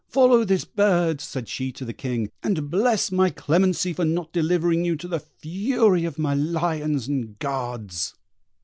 "Follow this bird," said she to the King, "and bless my clemency for not delivering you to the fury of my lions and guards."